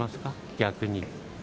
逆に。